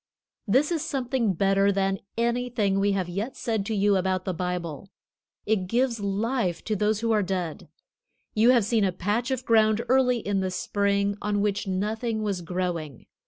This is something better than anything we have yet said to you about the Bible. It gives life to those who are dead. You have seen a patch of ground early in the spring on which nothing was growing.